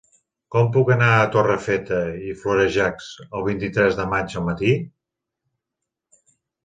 Com puc anar a Torrefeta i Florejacs el vint-i-tres de maig al matí?